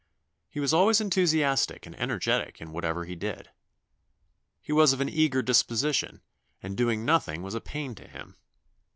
He was always enthusiastic and energetic in whatever he did. He was of an eager disposition, and doing nothing was a pain to him.